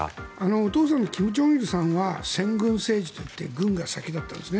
お父さん、金正日さんは先軍政治といって軍が先だったんです。